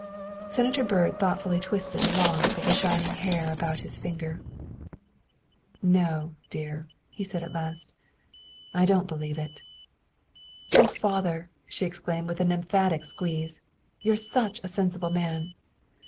Senator Byrd thoughtfully twisted a lock of the shining hair about his finger. " No, dear," he said at last, " I don't believe it." " Oh father," she exclaimed with an emphatic squeeze, " you're such a sensible man."